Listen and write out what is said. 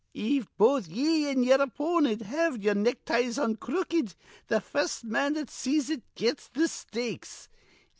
If both ye an' ye'er opponent have ye'er neckties on crooked, th' first man that sees it gets th' stakes.